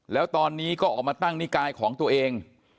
แล้วตอนนี้ก็ออกมาตั้งนิกายของตัวเอง